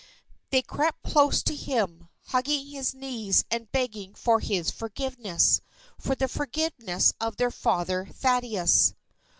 They crept close to him, hugging his knees and begging for his forgiveness for the forgiveness of their "Father Thaddeus."